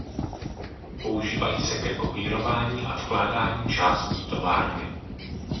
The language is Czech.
Používají se ke kopírování a vkládání částí továrny.